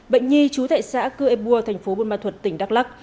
bệnh nhi trú tại xã cư ê bua thành phố buôn ma thuật tỉnh đắk lắc